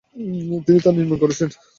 তিনিই তা নির্মাণ করেছেন।